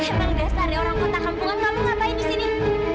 emang dasarnya orang kota kampungan kamu ngapain di sini